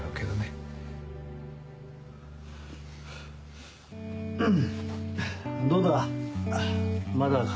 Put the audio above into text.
どうだ？